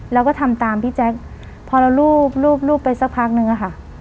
แล้วก็ทำตามพี่แจ๊คพอเรารูปรูปไปสักพักนึงอะค่ะ